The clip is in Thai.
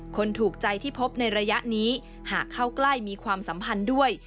ถูกใจที่พบในระยะนี้หากเข้าใกล้มีความสัมพันธ์ด้วย